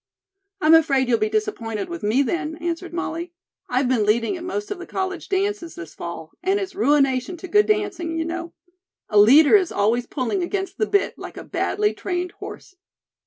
"I'm afraid you'll be disappointed with me, then," answered Molly. "I've been leading at most of the college dances this fall, and it's ruination to good dancing, you know. A leader is always pulling against the bit like a badly trained horse."